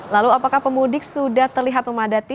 lalu apakah pemudik sudah terlihat memadati